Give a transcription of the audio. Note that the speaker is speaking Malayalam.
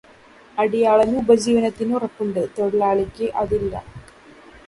അടിയാളന് ഉപജീവനത്തിന് ഉറപ്പുണ്ട്, തൊഴിലാളിക്ക് അതില്ല.